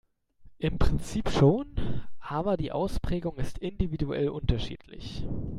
Im Prinzip schon, aber die Ausprägung ist individuell unterschiedlich.